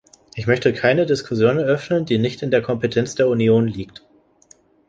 Ich möchte keine Diskussion eröffnen, die nicht in der Kompetenz der Union liegt.